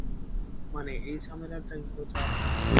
মানে, এই ঝামেলার দায় মূলত আপনার।